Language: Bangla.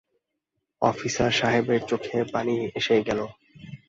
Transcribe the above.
অফিসার সাহেবের চোখে পানি এসে গেল।